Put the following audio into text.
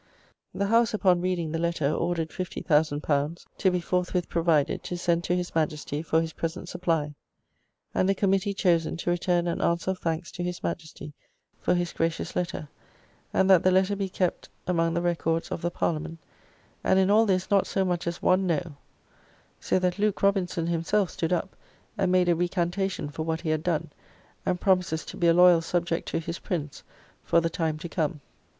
The House upon reading the letter, ordered L50,000 to be forthwith provided to send to His Majesty for his present supply; and a committee chosen to return an answer of thanks to His Majesty for his gracious letter; and that the letter be kept among the records of the Parliament; and in all this not so much as one No. So that Luke Robinson himself stood up and made a recantation for what he had done, and promises to be a loyal subject to his Prince for the time to come.